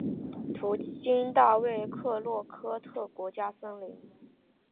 途经大卫克洛科特国家森林。